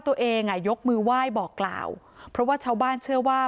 ตัวเองอ่ะยกมือไหว้บอกกล่าวเพราะว่าชาวบ้านเชื่อว่า